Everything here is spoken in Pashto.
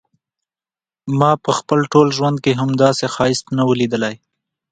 ما په خپل ټول ژوند کې همداسي ښایست نه و ليدلی.